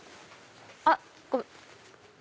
あっ！